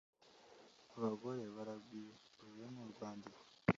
Abagore baragwira uyuwe n'urwandiko.